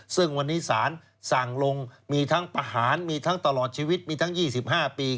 ซึ่งวันนี้สารสั่งลงมีทั้งประหารมีทั้งตลอดชีวิตมีทั้ง๒๕ปี